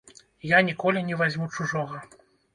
Я ніколі не вазьму чужога!